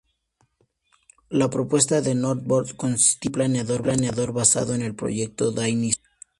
La propuesta de Northrop consistía en un planeador basado en el proyecto Dyna-Soar.